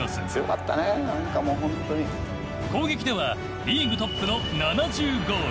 攻撃ではリーグトップの７０ゴール。